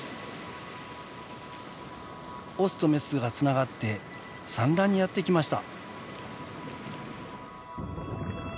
オスとメスがつながって産卵にやってきました。